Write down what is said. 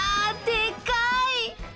でかい！